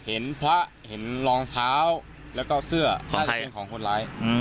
เห็นพระเห็นรองเท้าแล้วก็เสื้อของใครของคนร้ายอืม